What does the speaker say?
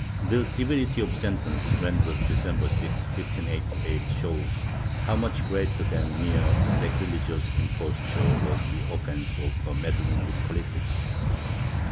The severity of the sentence, rendered December 6, 1588, shows how much greater than mere sacrilegious imposture was the offence of her meddling with politics.